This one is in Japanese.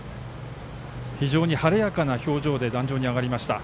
非常に晴れやかな表情で壇上に上がりました。